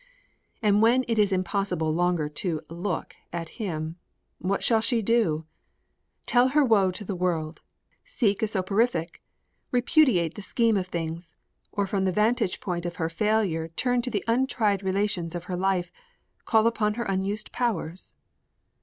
And when it is impossible longer to "look" at him, what shall she do! Tell her woe to the world, seek a soporific, repudiate the scheme of things, or from the vantage point of her failure turn to the untried relations of her life, call upon her unused powers?